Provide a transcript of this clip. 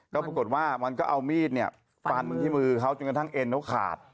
ก็ปรากฏว่ามันก็เอามีดฟันที่มือเขาจนกระทั่งเอ็นเขาขาด